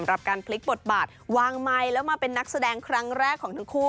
กับการพลิกบทบาทวางไมค์แล้วมาเป็นนักแสดงครั้งแรกของทั้งคู่